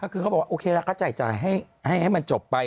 คือเขาบอกว่าโอเคแล้วแล้วจะโดยให้มันจบไป